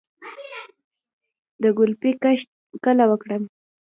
د ګلپي کښت کله وکړم؟